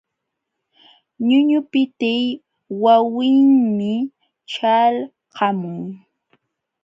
Ñuñupitiy wawinmi ćhalqamun.